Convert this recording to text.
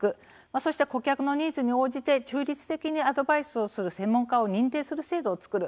そして顧客のニーズに応じて中立的にアドバイスをする専門家を認定する制度を作る。